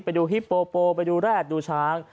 ไปดูฮิปโปโปไปดูแรดดูชาง